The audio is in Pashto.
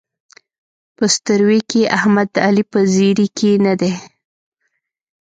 په ستروۍ کې احمد د علي په زېري کې نه دی.